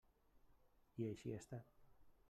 I així ha estat.